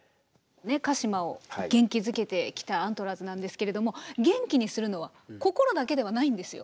鹿島を元気づけてきたアントラーズなんですけれども元気にするのは心だけではないんですよ。